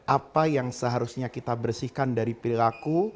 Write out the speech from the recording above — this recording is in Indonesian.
apa yang seharusnya kita bersihkan dari perilaku